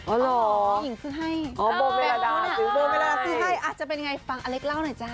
ผู้หญิงซื้อให้อ๋อเวลาซื้อให้อาจจะเป็นยังไงฟังอเล็กเล่าหน่อยจ้า